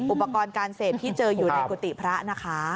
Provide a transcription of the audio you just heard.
อุปกรณ์การเสพที่เจออยู่ในกุฏิพระนะคะ